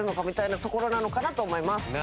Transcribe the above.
みたいなところなのかなと思います。